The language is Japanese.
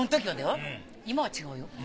今は違うよ。